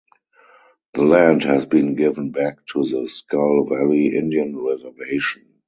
The land has been given back to the Skull Valley Indian Reservation.